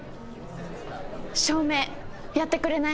照明やってくれない？